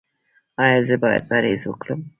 ایا زه باید پرهیز وکړم؟